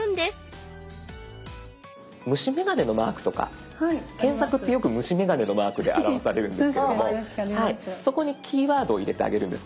虫眼鏡のマークとか検索ってよく虫眼鏡のマークで表されるんですけれどもそこにキーワードを入れてあげるんです。